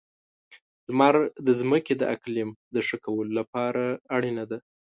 • لمر د ځمکې د اقلیم د ښه کولو لپاره اړینه ده.